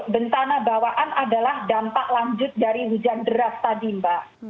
bentana bawaan adalah dampak lanjut dari hujan deras tadi mbak